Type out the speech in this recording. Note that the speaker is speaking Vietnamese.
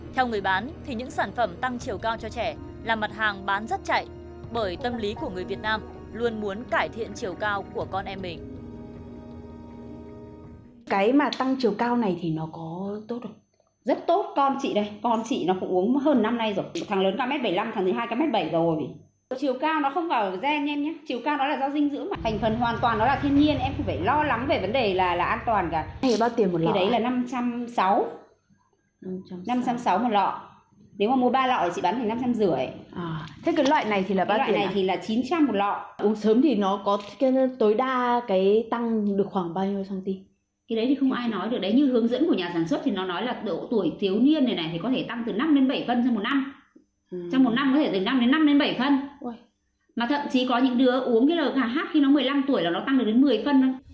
theo người bán những sản phẩm tăng chiều cao cho trẻ là mặt hàng bán rất chạy bởi tâm lý của người việt nam luôn muốn cải thiện chiều cao của con em mình